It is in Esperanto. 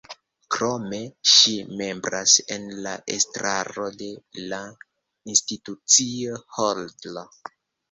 Krome ŝi membras en la estraro de la Institucio Hodler.